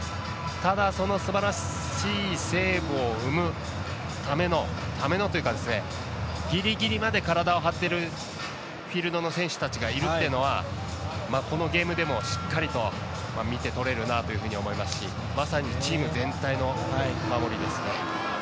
ただ、そのすばらしいセーブを生むためのというかぎりぎりまで体を張ってる選手がいるというのもしっかりと見てとれるなというふうに思いますし、まさにチーム全体の守りですね。